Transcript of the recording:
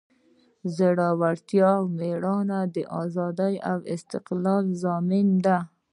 زړورتیا او میړانه د ازادۍ او استقلال ضامن دی.